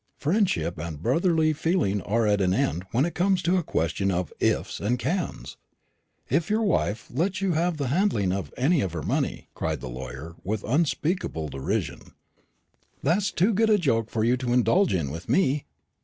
Friendship and brotherly feeling are at an end when it comes to a question of 'ifs' and 'cans.' If your wife lets you have the handling of any of her money!" cried the lawyer, with unspeakable derision; "that's too good a joke for you to indulge in with me.